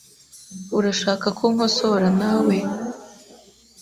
Urashaka ko nkosora nawe?